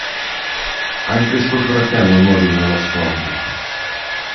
Anche suo fratello morì nello scontro.